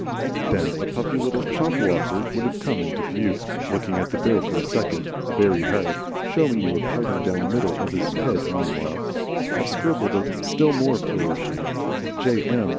Then a puffy little shop walker would have come into view, looked at the bill for a second, very hard (showing you a parting down the middle of his head meanwhile), have scribbled a still more flourishing J. M.